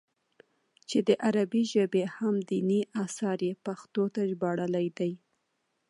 چې د عربي ژبې اهم ديني اثار ئې پښتو ته ژباړلي دي